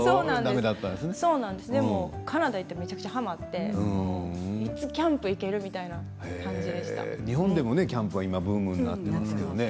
カンダに行ってめちゃくちゃはまっていつキャンプ行ける？みたいな日本でもキャンプはブームになっていますよね。